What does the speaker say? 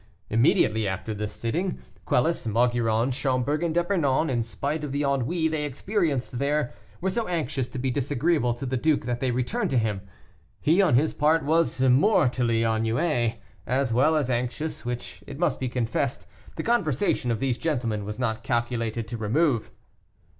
Immediately after the sitting, Quelus, Maugiron, Schomberg, and D'Epernon, in spite of the ennui they experienced there, were so anxious to be disagreeable to the duke that they returned to him. He, on his part, was mortally ennuyé, as well as anxious, which, it must be confessed, the conversation of these gentlemen was not calculated to remove.